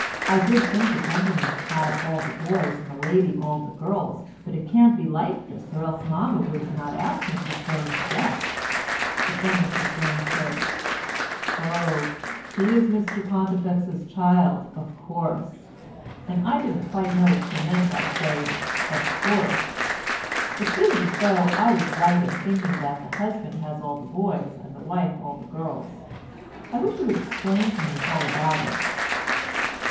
I did think the gentleman had all the boys and the lady all the girls; but it can't be like this, or else mamma would not have asked Mrs Burne to guess; but then Mrs Burne said, 'Oh, he's Mr Pontifex's child of course,' and I didn't quite know what she meant by saying 'of course': it seemed as though I was right in thinking that the husband has all the boys and the wife all the girls; I wish you would explain to me all about it."